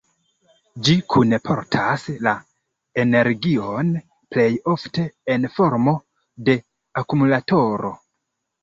Ĝi kunportas la energion plej ofte en formo de akumulatoro.